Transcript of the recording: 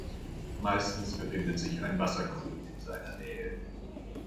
Meistens befindet sich ein Wasserkrug in seiner Nähe.